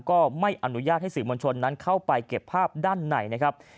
ก็ไม่อนุญาตให้สื่อมวลชนนั้นเข้าไปเก็บภาพด้านในนะครับ